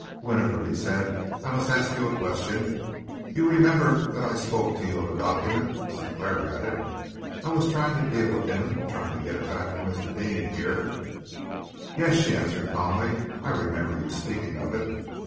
"Winifred," he said, "I must ask you a question. You remember that I spoke to you of a document Sinclair had it. I was trying to deal with him, trying to get it back for Mr. Deane here." "Yes," she answered calmly, "I remember your speaking of it."